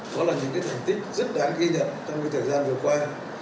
đó là những thành tích rất đáng ghi nhận trong thời gian vừa qua